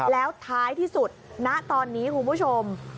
แล้วท้ายที่สุดณตอนนี้คุณผู้ชม